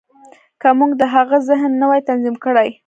که موږ د هغه ذهن نه وای تنظيم کړی.